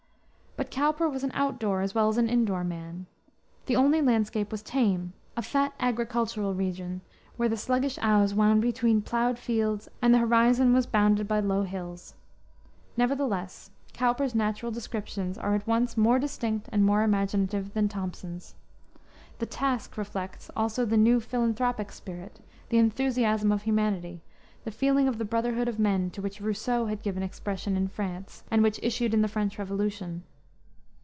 But Cowper was an out door as well as an in door man. The Olney landscape was tame, a fat, agricultural region, where the sluggish Ouse wound between plowed fields and the horizon was bounded by low hills. Nevertheless Cowper's natural descriptions are at once more distinct and more imaginative than Thomson's. The Task reflects, also, the new philanthropic spirit, the enthusiasm of humanity, the feeling of the brotherhood of men to which Rousseau had given expression in France and which issued in the French Revolution.